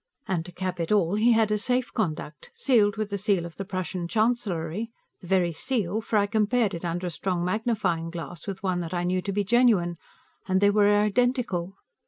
And to cap it all, he had a safe conduct, sealed with the seal of the Prussian Chancellery the very seal, for I compared it, under a strong magnifying glass, with one that I knew to be genuine, and they were identical!